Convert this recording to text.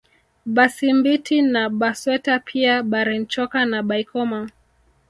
Basimbiti na Basweta pia Barenchoka na Baikoma